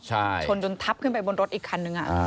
ชนจนทับขึ้นบนรถอีกคันนึง